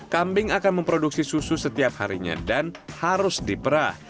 kambing akan memproduksi susu setiap harinya dan harus diperah